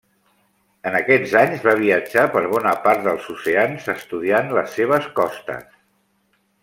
En aquests anys va viatjar per bona part dels oceans estudiant les seves costes.